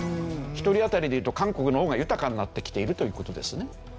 １人当たりでいうと韓国の方が豊かになってきているという事ですね。